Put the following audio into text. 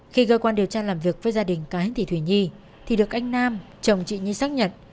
khi cơ quan điều tra làm việc với gia đình cái anh thị thủy nhi thì được anh nam chồng chị nhi xác nhận